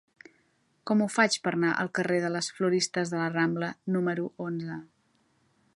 Com ho faig per anar al carrer de les Floristes de la Rambla número onze?